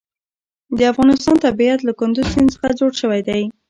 د افغانستان طبیعت له کندز سیند څخه جوړ شوی دی.